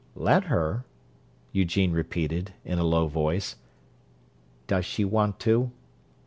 "Let her?" Eugene repeated, in a low voice. "Does she want to?"